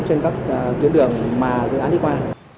trên các tuyến đường mà dự án đi qua